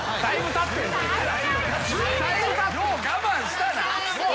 よう我慢したな。